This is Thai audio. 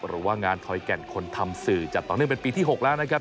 หรือว่างานถอยแก่นคนทำสื่อจัดต่อเนื่องเป็นปีที่๖แล้วนะครับ